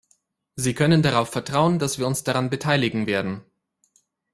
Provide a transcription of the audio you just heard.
Sie können darauf vertrauen, dass wir uns daran beteiligen werden.